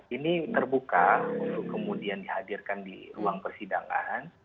ini terbuka untuk kemudian dihadirkan di ruang persidangan